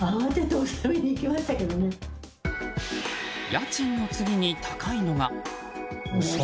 家賃の次に高いのが。